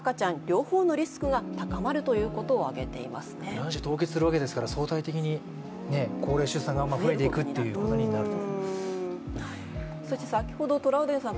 卵子凍結するわけですから相対的に高齢出産が増えていくことになると。